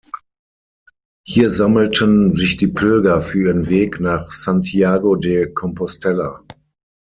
Hier sammelten sich die Pilger für ihren Weg nach Santiago de Compostela.